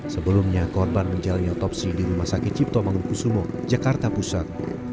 sebelumnya korban menjalani otopsi di rumah sakit cipto mangunkusumo jakarta pusat